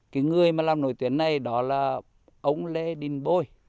cái người mà làm nổi tuyến này đó là ông lê đình bôi